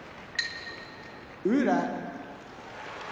宇良